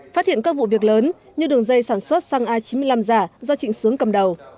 phát hiện các vụ việc lớn như đường dây sản xuất xăng a chín mươi năm giả do trịnh sướng cầm đầu